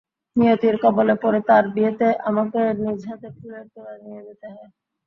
নিয়তির কবলে পড়ে তার বিয়েতে আমাকে নিজ হাতে ফুলের তোড়া নিয়ে যেতে হয়!